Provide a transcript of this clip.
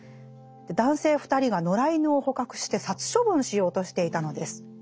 男性二人が野良犬を捕獲して殺処分しようとしていたのです。